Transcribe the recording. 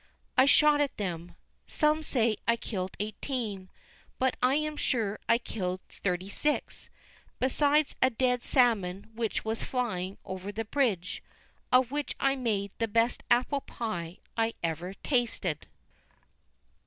I shot at them; some say I killed eighteen; but I am sure I killed thirty six, besides a dead salmon which was flying over the bridge, of which I made the best apple pie I ever tasted.